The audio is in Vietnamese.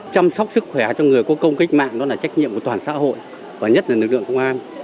chăm sóc sức khỏe cho người có công cách mạng đó là trách nhiệm của toàn xã hội và nhất là lực lượng công an